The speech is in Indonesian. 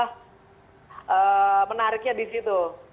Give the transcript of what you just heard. eh menariknya di situ